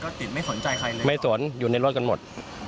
ก็ติดไม่สนใจใครเลยไม่สนอยู่ในรถกันหมด